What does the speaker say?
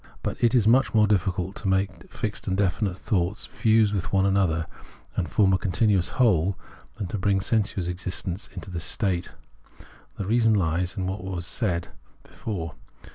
But it is much more difficult to make fixed and definite thoughts fuse with one another and form a continuous whole than to bring sensuous existence into this state. The reason hes in what was said before.